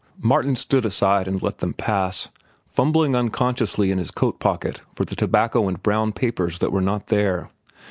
Martin stood aside and let them pass, fumbling unconsciously in his coat pocket for the tobacco and brown papers that were not there.